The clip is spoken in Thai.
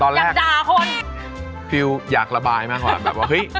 ตอนแรกฟิวอยากระบายมากกว่าแบบว่าเฮ้ย